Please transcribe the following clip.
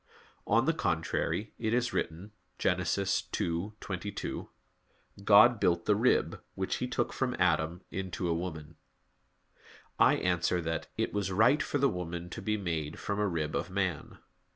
On the contrary, It is written (Gen. 2:22): "God built the rib, which He took from Adam, into a woman." I answer that, It was right for the woman to be made from a rib of man.